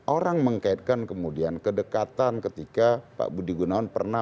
orang mengkaitkan kemudian kedekatan ketika pak budi gunawan pernah